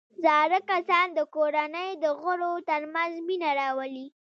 زاړه کسان د کورنۍ د غړو ترمنځ مینه راولي